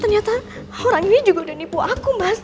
ternyata orang ini juga udah nipu aku mas